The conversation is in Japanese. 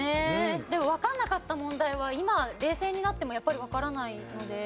でもわかんなかった問題は今冷静になってもやっぱりわからないので。